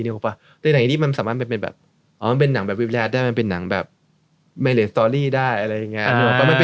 แต่หนังอินดีมันสามารถเป็นแบบมันเป็นหนังแบบวิบแลสได้เป็นหนังแบบแมนเรนสตอรี่ได้อะไรอย่างนี้